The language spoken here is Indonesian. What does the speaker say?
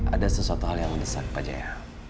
ada sesuatu hal yang mendesak pajaya